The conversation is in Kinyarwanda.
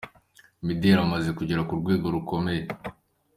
Imideli amaze kugera ku rwego rukomeye.